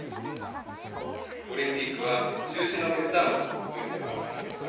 オリンピックは中止の決断をすべきではありませんか。